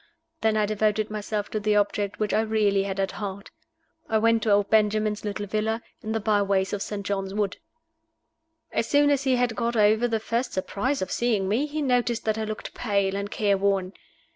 Then I devoted myself to the object which I really had at heart. I went to old Benjamin's little villa, in the by ways of St. John's Wood. As soon as he had got over the first surprise of seeing me, he noticed that I looked pale and care worn.